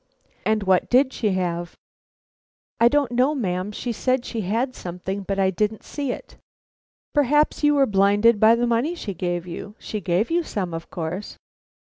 "And what did she have?" "I don't know, ma'am. She said she had something, but I didn't see it." "Perhaps you were blinded by the money she gave you. She gave you some, of course?"